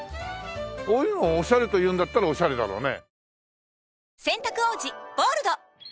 こういうのをオシャレと言うんだったらオシャレだろうね。